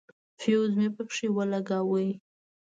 فيوز مې پکښې ولګاوه.